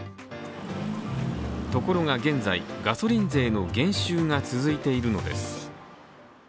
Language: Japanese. ところが現在ガソリン税の減収が続いているのです。